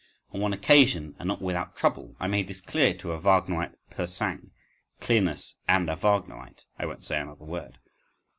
—On one occasion, and not without trouble, I made this clear to a Wagnerite pur sang,—clearness and a Wagnerite! I won't say another word.